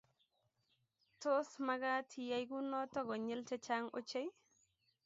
Tos, magaat iyay kunoto konyil chechang ochei?